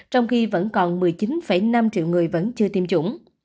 trong khi vẫn còn một mươi chín năm triệu người vẫn chưa tiêm chủng